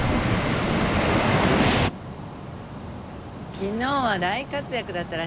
昨日は大活躍だったらしいじゃん。